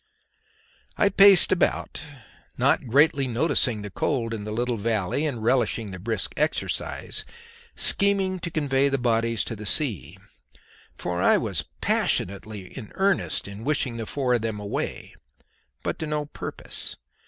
I paced about, not greatly noticing the cold in the little valley, and relishing the brisk exercise, scheming to convey the bodies to the sea, for I was passionately in earnest in wishing the four of them away; but to no purpose.